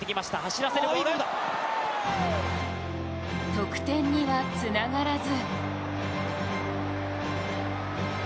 得点にはつながらず。